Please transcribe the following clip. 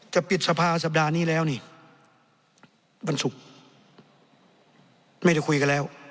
ปิดสภาสัปดาห์นี้แล้วนี่วันศุกร์ไม่ได้คุยกันแล้ว